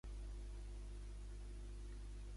No sé pas què deus pensar qui soc i per què et saludo.